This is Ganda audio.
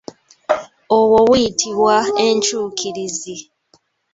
Obwo buyitibwa enkyukirizi.